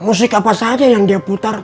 musik apa saja yang dia putar